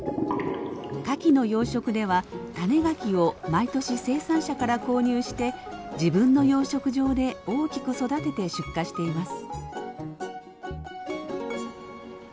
カキの養殖では種ガキを毎年生産者から購入して自分の養殖場で大きく育てて出荷しています。